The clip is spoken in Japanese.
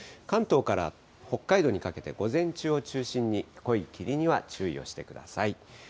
関東から北海道にかけて、午前中を中心に、濃い霧には注意をしてください。